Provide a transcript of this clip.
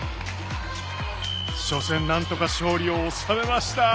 初戦なんとか勝利を収めました。